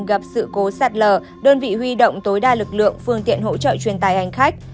gặp sự cố sạt lở đơn vị huy động tối đa lực lượng phương tiện hỗ trợ truyền tài hành khách